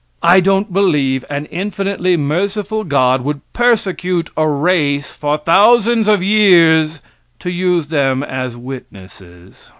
I don't believe an infinitely merciful God would persecute a race for thousands of years to use them as witnesses.